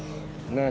何？